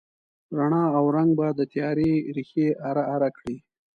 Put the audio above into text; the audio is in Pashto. رڼا او رنګ به د تیارې ریښې اره، اره کړي